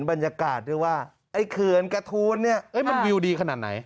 บรรยากาศนึงว่าไอ้เขนกระทูลเนี้ยเอ้ยมันวิวดีขนาดไหน